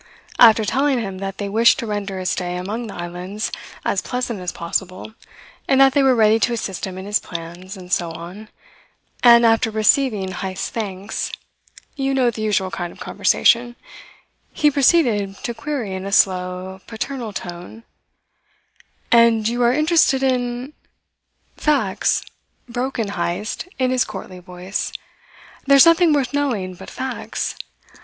After telling him that they wished to render his stay among the islands as pleasant as possible, and that they were ready to assist him in his plans, and so on, and after receiving Heyst's thanks you know the usual kind of conversation he proceeded to query in a slow, paternal tone: "And you are interested in ?" "Facts," broke in Heyst in his courtly voice. "There's nothing worth knowing but facts.